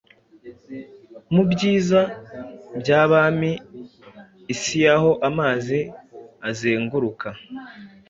Mubyiza byabami-isiaho amazi azenguruka